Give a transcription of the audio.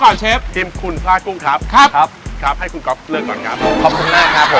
ขอบคุณมากครับผม